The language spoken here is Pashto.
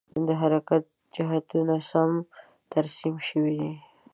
د حرکت جهتونه سم ترسیم شوي دي؟